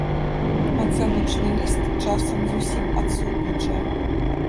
Ацэначны ліст часам зусім адсутнічае.